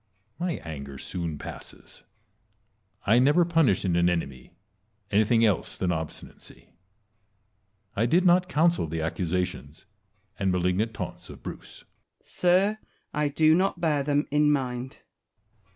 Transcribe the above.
My anger soon passes. I never punish in an enemy anything else than obstinacy. I did not counsel the accusations and malignant taunts of Bruce. Wallace. Sir, I do not bear them in mind. Edward.